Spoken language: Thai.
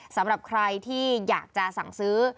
สำหรับใครที่อยากจะสั่งซื้อ